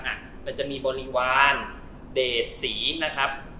มันจะมีบริวารเดทสีนะครับ